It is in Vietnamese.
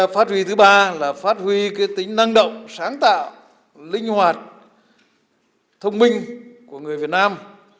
phát huy thứ ba là phát huy tính năng động sáng tạo linh hoạt thông minh của người việt nam